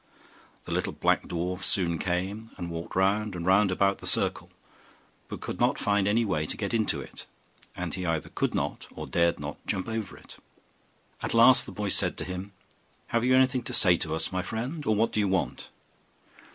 The little black dwarf soon came, and walked round and round about the circle, but could not find any way to get into it, and he either could not, or dared not, jump over it. At last the boy said to him. 'Have you anything to say to us, my friend, or what do you want?